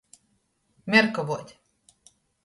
Merkavuot.